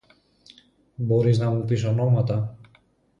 Μπορείς να μου πεις ονόματα;